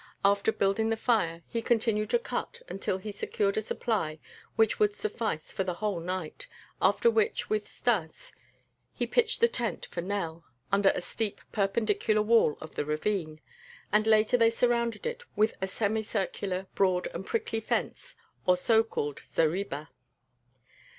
After building the fire, he continued to cut until he secured a supply which would suffice for the whole night, after which with Stas he pitched the tent for Nell, under a steep perpendicular wall of the ravine, and later they surrounded it with a semi circular, broad and prickly fence, or a so called zareba.